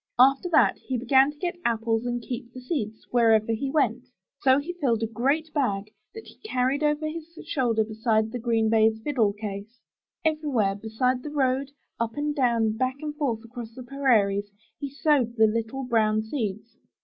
After that, he began to get apples and keep the seeds, wherever he went. So he filled a great bag, that he carried over his shoulder beside the green baize fiddle case. Everywhere, beside the road, up and down, back and forth across the prairies, he sowed the little brown seeds.